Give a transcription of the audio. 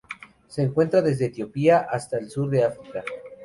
Se encuentra desde Etiopía hasta el sur de África.